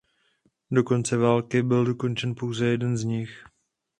Do konce války byl dokončen pouze jeden z nich.